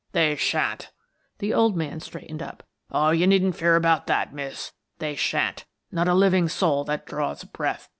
" They sha'n't." The old man straightened up. " Oh, you needn't fear about that, Miss. They sha'n't — not a living soul that draws breath.